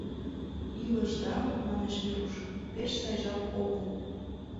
— Илышда, — манеш Веруш, — пеш сайжак огыл.